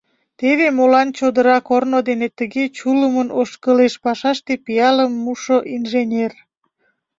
Теве молан чодыра корно дене тыге чулымын ошкылеш пашаште пиалым мушо инженер».